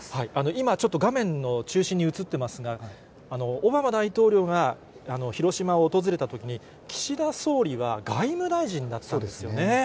今、ちょっと画面の中心に映ってますが、オバマ大統領が広島を訪れたときに、岸田総理は外務大臣だったんですよね。